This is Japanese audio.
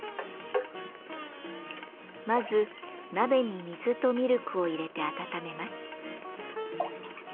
まず鍋に水とミルクを入れて温めます。